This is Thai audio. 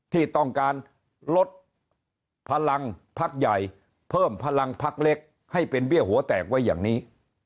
ที่ต้องการลดพลังพักใหญ่เพิ่มพลังพักเล็กให้เป็นเบี้ยหัวแตกไว้อย่างนี้